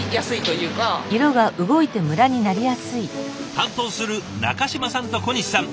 担当する中嶋さんと小西さん